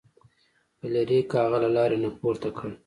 فلیریک هغه له لارې نه پورته کړ.